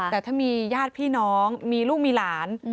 แต่ถ้ามีญาติพี่น้องมีลูกมีหลาน